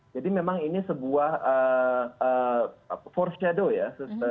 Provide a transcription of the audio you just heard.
jadi memang ini sebuah foreshadow ya